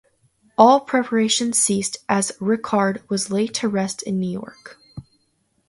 All preparations ceased, as Rickard was laid to rest in New York.